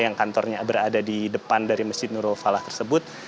yang kantornya berada di depan dari masjid nurul falah tersebut